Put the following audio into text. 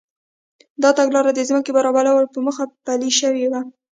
دا تګلاره د ځمکې برابرولو په موخه پلي شوې وه.